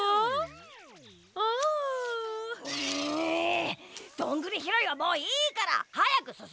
どんぐりひろいはもういいからはやくすすむぞ！